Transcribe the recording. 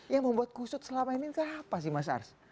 yang membuat kusut selama ini enggak apa sih mas ars